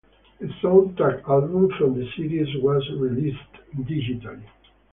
A soundtrack album from the series was released digitally.